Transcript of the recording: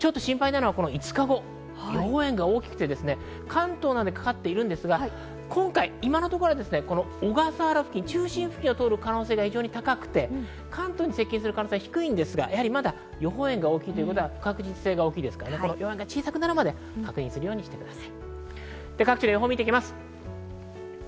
ちょっと心配なのは５日後、予報円が大きくて関東などにかかってるんですが、今のところ小笠原付近、中心を通る可能性が高くて関東に接近する可能性は低いんですが、予報円が大きいということは不確実性が大きいですから注意してください。